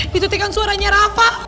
ditutupkan suaranya rafa